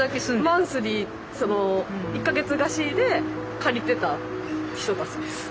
マンスリー１か月貸しで借りてた人たちです。